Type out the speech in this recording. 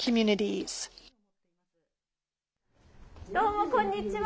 どうも、こんにちは。